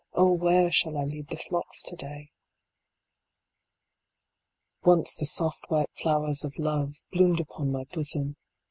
Oh where shall I lead the flocks to day ? Once the soft white flowers of love bloomed upon my bosom.